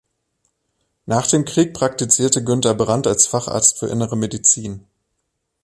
Nach dem Krieg praktizierte Günther Brandt als Facharzt für Innere Medizin.